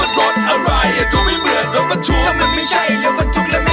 โปรดติดตามตอนต่อไป